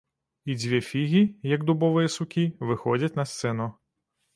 І дзве фігі, як дубовыя сукі, выходзяць на сцэну.